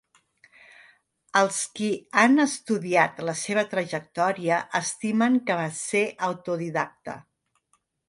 Els qui han estudiat la seva trajectòria estimen que va ser autodidacta.